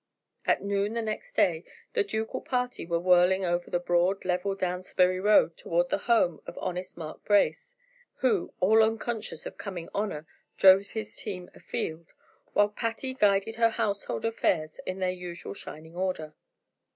At noon next day the ducal party were whirling over the broad, level Downsbury roads toward the home of honest Mark Brace, who, all unconscious of coming honor drove his team afield, while Patty guided her household affairs in their usual shining order.